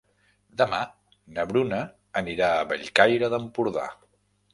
Demà na Bruna anirà a Bellcaire d'Empordà.